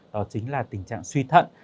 đó chính là tình trạng suy thận